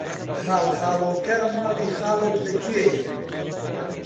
خاڵخاڵۆکە، ماڵی خاڵت لەکوێیە؟!